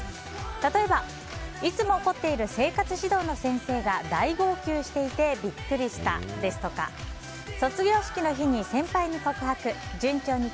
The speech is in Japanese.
例えば、いつも怒っている生活指導の先生が大号泣していてビックリしたですとかリセッシュータイム！